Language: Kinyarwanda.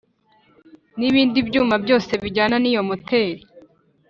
Nibindi byuma byose bijyana niyo moteri